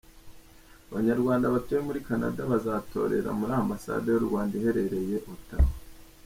Abanyarwanda batuye muri Canada, bazatorera muri Ambasade y’u Rwanda iherereye Ottawa.